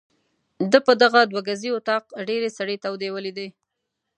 ده په دغه دوه ګزي وطاق ډېرې سړې تودې ولیدې.